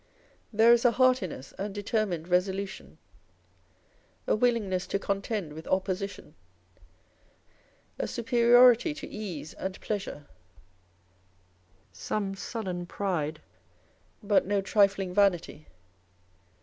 There is a heartiness and determined resolution ; a willingness to contend with opposition ; a superiority to ease and pleasure ; some sullen pride, but no trifling vanity.